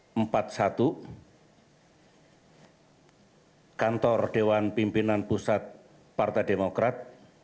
nomor empat puluh satu kantor dewan pimpinan pusat partai demokrat